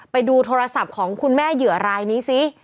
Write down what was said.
ไปดูโทรศัพท์ของคุณแม่เหยื่อรายนี้ซิ